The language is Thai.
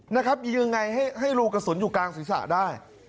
นะครับยังไงให้รูกระสุนอยู่กลางศีรษะได้